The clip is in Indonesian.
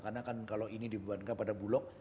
karena kan kalau ini dibuat kepada bulog